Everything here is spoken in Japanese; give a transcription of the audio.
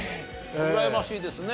うらやましいですね。